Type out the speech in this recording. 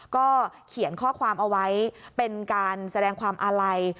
ก็เขียนข้อความเอาไว้เป็นการแสดงความอาลัย